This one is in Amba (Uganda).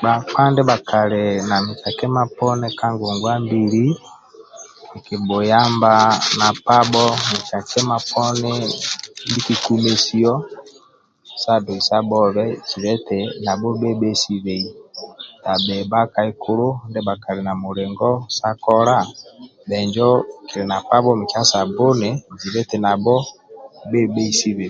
Bkapa ndibha kali na mikia kima poni ka ngongwa mbili kikibhuyamba na pabho mikia kima poni ndie kikumesio sa doisabhobe zibe eti nabho bhebheisibei tabhi bhkaikulu ndibha bhakali na mulingo sa kola kili na pabho mikia sabbinuni zibe eti nabho bhebheisibei